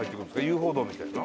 遊歩道みたいな？